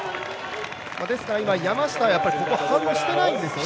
ですから山下は今、ここ反応してないんですよね。